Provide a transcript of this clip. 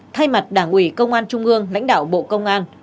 thay mặt đảng ủy công an trung ương lãnh đạo bộ công an